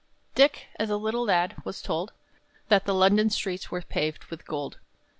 Dick, as a little lad, was told That the London streets were paved with gold.